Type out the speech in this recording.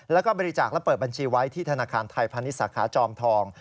แล้วก็บริจาคและเปิดบัญชีไว้ที่ธนาคารไทยพาณิชย์สาขาจอมทอง